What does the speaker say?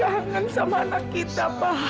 ibu kangen sama anak kita pak